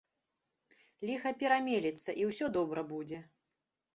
Ліха перамелецца, і ўсё добра будзе.